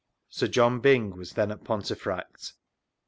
[Sir John Byng was then at Pontefract.